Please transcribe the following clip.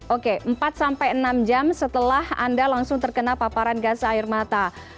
oke empat sampai enam jam setelah anda langsung terkena paparan gas air mata